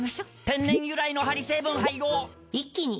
天然由来のハリ成分配合一気に！